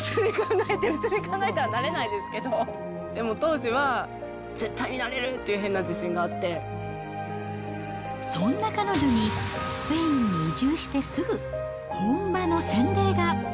普通に考えたらなれないですけど、でも当時は、絶対になれるってそんな彼女に、スペインに移住してすぐ、本場の洗礼が。